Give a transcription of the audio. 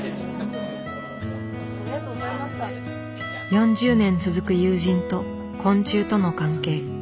４０年続く友人と昆虫との関係。